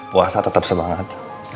puasa tetap semangat